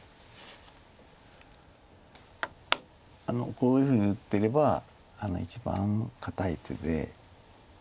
こういうふうに打ってれば一番堅い手で。